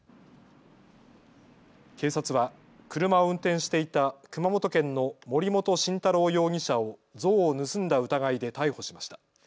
警察は車を運転していた熊本県の森本晋太郎容疑者を像を盗んだ疑いで逮捕しました。